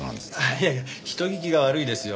いやいや人聞きが悪いですよ。